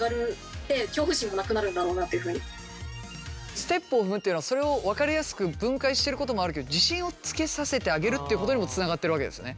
ステップを踏むっていうのはそれを分かりやすく分解してることもあるけど自信をつけさせてあげるっていうことにもつながってるわけですよね。